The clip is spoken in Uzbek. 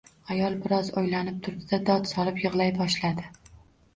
Ayol bir oz o‘ylanib turdi-da, dod solib yig‘lay boshladi.